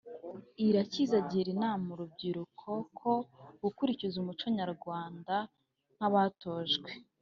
Irakiza agira inama urubyiruko ko gukurikiza umuco Nyarwanda nk’abatojwe